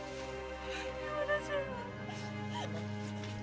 ketika dia menemukan anaknya dia menemukan anaknya yang sudah matahari